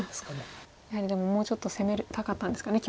やはりでももうちょっと攻めたかったんですかね